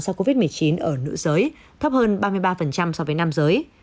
do covid một mươi chín ở nữ giới thấp hơn ba mươi ba so với nam giới